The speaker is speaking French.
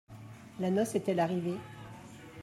La noce est-elle arrivée ?